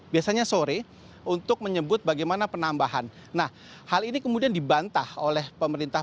biasanya sore untuk menyebut bagaimana penambahan nah hal ini kemudian dibantah oleh pemerintah